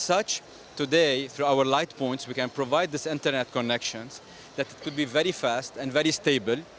seperti ini hari ini melalui poin cahaya kita bisa memberikan koneksi internet ini yang sangat cepat dan sangat stabil